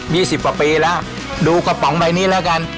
สิบกว่าปีแล้วดูกระป๋องใบนี้แล้วกัน